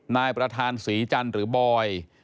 นายประธานศรีจันทร์หรือบอย